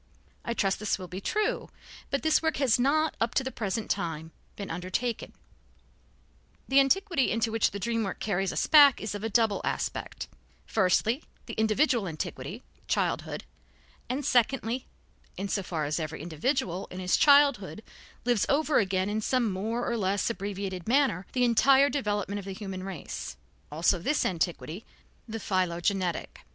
I trust this will be true, but this work has not, up to the present time, been undertaken. The antiquity into which the dream work carries us back is of a double aspect, firstly, the individual antiquity, childhood; and, secondly (in so far as every individual in his childhood lives over again in some more or less abbreviated manner the entire development of the human race), also this antiquity, the philogenetic.